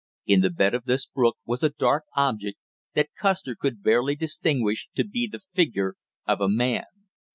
In the bed of this brook was a dark object that Custer could barely distinguish to be the figure of a man.